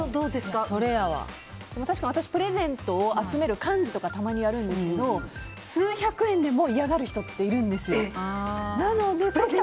私、プレゼントを集める幹事とかたまにやるんですけど数百円でも嫌がる人っているんですよ。